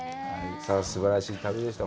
すばらしい旅でした。